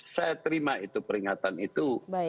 saya terima itu peringatan itu